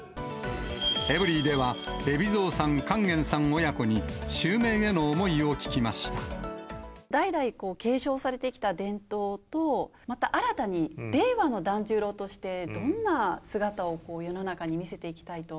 エブリィでは、海老蔵さん、勸玄さん親子に、代々継承されてきた伝統と、また新たに令和の團十郎として、どんな姿を世の中に見せていきたいと。